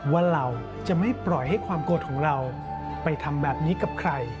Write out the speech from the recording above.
ว่าเราจะไม่ปล่อยให้ความโกรธของเราไปทำแบบนี้กับใคร